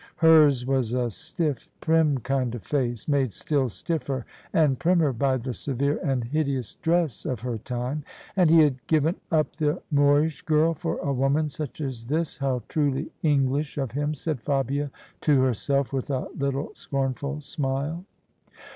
Hers was a stiff prim kind of face, made still stiffer and primmer by the severe and hideous dress of her time. And he had given up the Moorish girl for a woman such as this I How truly English [ii8] OF ISABEL CARNABY of him, said Fabia to hersdf with a little scornful smile.